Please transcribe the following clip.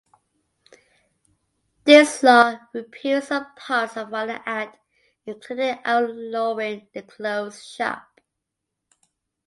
This law repealed some parts of the Wagner Act, including outlawing the closed shop.